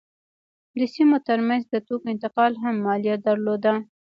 د سیمو ترمنځ د توکو انتقال هم مالیه درلوده.